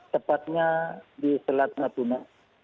tepatnya di selat natuna